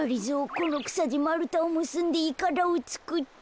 このくさでまるたをむすんでいかだをつくって。